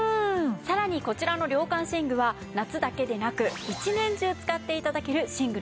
さらにこちらの涼感寝具は夏だけでなく１年中使って頂ける寝具なんです。